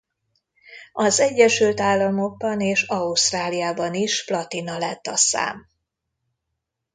Az Egyesült Államokban és Ausztráliában is platina lett a szám.